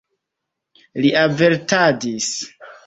Li avertadis.